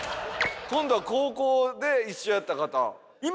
今度は高校で一緒やった方。